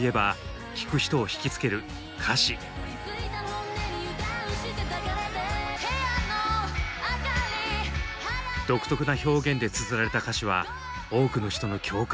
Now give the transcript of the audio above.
独特な表現でつづられた歌詞は多くの人の共感を呼んでいます。